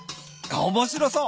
面白そう！